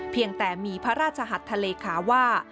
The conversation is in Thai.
เพียงแต่มีพระราชหัสทะเลขาว่า